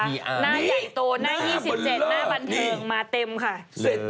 หน้าใหญ่โตหน้า๒๗หน้าบันเทิงมาเต็มค่ะ